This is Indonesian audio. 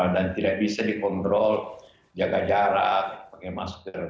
tidak bisa dikontrol jaga jarak pakai masker